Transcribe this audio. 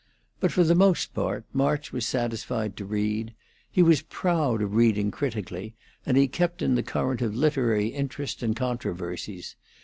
But, for the most part, March was satisfied to read. He was proud of reading critically, and he kept in the current of literary interests and controversies.